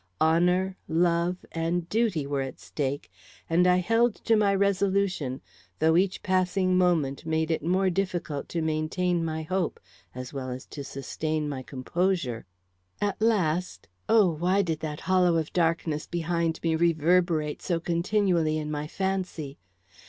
Honor, love, and duty were at stake, and I held to my resolution, though each passing moment made it more difficult to maintain my hope as well as to sustain my composure. At last oh, why did that hollow of darkness behind me reverberate so continually in my fancy?